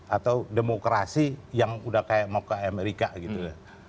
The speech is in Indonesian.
atau demokrasi yang udah kayak mau ke amerika gitu